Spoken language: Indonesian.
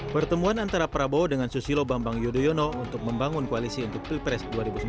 pertemuan antara prabowo dengan susilo bambang yudhoyono untuk membangun koalisi untuk pilpres dua ribu sembilan belas